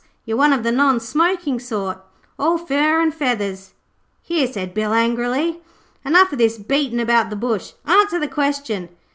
You're one of the non smoking sort, all fur and feathers.' 'Here,' said Bill angrily. 'Enough o' this beatin' about the bush. Answer the question.'